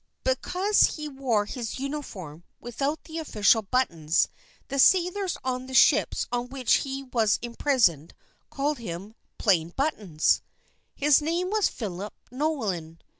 Because he wore his uniform without the official buttons, the sailors on the ships on which he was imprisoned called him "Plain Buttons." His name was Philip Nolan.